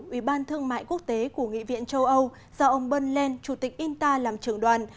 ủy ban thương mại quốc tế của nghị viện châu âu do ông bân lên chủ tịch inta làm trưởng đoàn